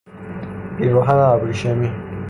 پیراهن ابریشمی